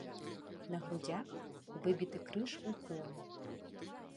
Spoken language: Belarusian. На грудзях выбіты крыж у коле.